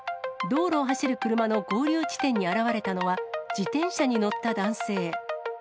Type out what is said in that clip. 道路を走る車の合流地点に現れたのは、自転車に乗った男性。